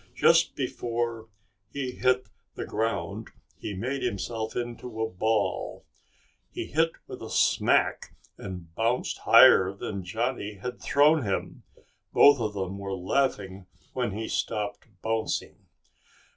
Just before he hit the ground he made himself into a ball. He hit with a smack and bounced higher than Johnny had thrown him. Both of them were laughing when he stopped bouncing.